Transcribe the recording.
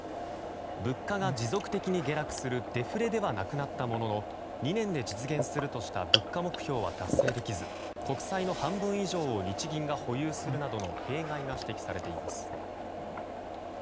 物価が持続的に下落するデフレではなくなったものの２年で実現するとした物価目標は達成できず国債の半分以上を日銀が保有するなどの弊害が指摘されています。